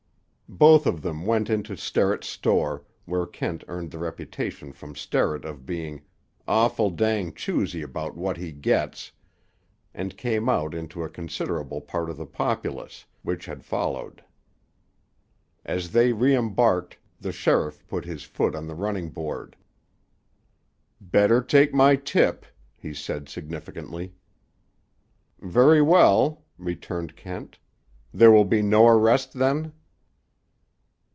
Both of them went into Sterrett's store, where Kent earned the reputation from Sterrett of being "awful dang choosy about what he gets," and came out into a considerable part of the populace, which had followed. As they reëmbarked, the sheriff put his foot on the running board. "Better take my tip," he said significantly. "Very well," returned Kent. "There will be no arrest, then?"